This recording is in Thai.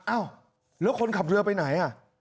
อ้าวแล้วคนขับเรือไปไหนอ่ะ